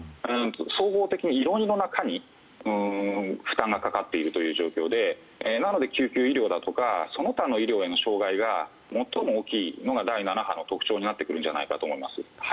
総合的に色々な科に負担がかかっているという状況でなので救急医療だとかその他の医療への障害が最も大きいのが第７波の特徴になってくるんじゃないかと思います。